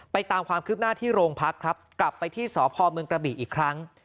ตามความคืบหน้าที่โรงพักครับกลับไปที่สพเมืองกระบี่อีกครั้ง